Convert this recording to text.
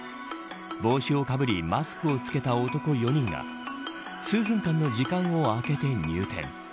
帽子をかぶりマスクを着けた男４人が数分間の時間を空けて入店。